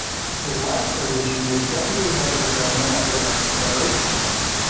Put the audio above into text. His last position was Deputy Head of the Government of the Russian Federation.